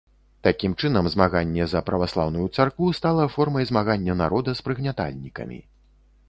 Такім чынам, змаганне за праваслаўную царкву стала формай змагання народа з прыгнятальнікамі.